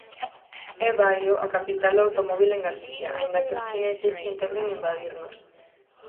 É Baio a capital do automóbil de Galicia, aínda que os chineses intenten invadirnos.